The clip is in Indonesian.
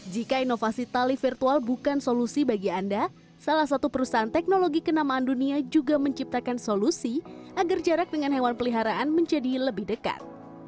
jika inovasi tali virtual bukan solusi bagi anda salah satu perusahaan teknologi kenamaan dunia juga menciptakan solusi agar jarak dengan hewan peliharaan menjadi lebih dekat